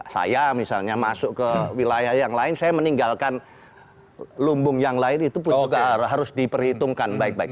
saya misalnya masuk ke wilayah yang lain saya meninggalkan lumbung yang lain itu pun juga harus diperhitungkan